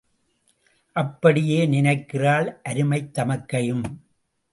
அப்படியே நினைக்கிறாள் அருமைத் தமக்கையும்.